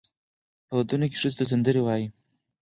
په ودونو کې ښځو ته سندرې وایي.